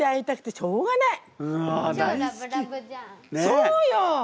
そうよ！